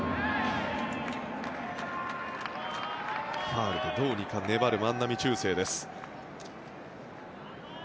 ファウルでどうにか粘る万波中正です。